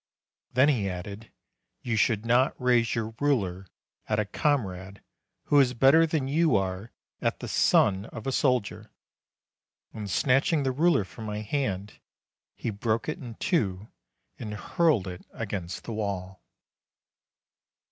Then he added, "You should not raise your ruler at a comrade who is better than you are at the son of a soldier! "; and snatching the ruler from my hand, he broke it in two, and hurled it against the wall.